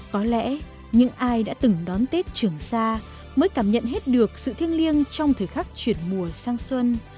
có lẽ những ai đã từng đón tết trường xa mới cảm nhận hết được sự thiêng liêng trong thời khắc chuyển mùa sang xuân